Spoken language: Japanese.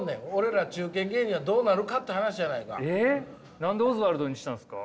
何でオズワルドにしたんすか？